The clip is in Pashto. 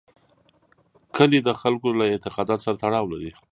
کلي د خلکو له اعتقاداتو سره تړاو لري.